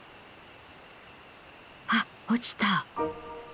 あっ落ちた。